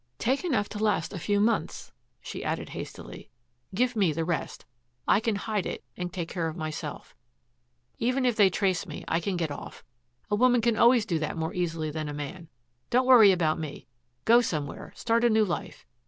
"Take enough to last a few months," she added hastily. "Give me the rest. I can hide it and take care of myself. Even if they trace me I can get off. A woman can always do that more easily than a man. Don't worry about me. Go somewhere, start a new life.